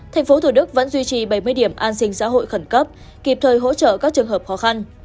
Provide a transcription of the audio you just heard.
tp thủ đức vẫn duy trì bảy mươi điểm an sinh xã hội khẩn cấp kịp thời hỗ trợ các trường hợp khó khăn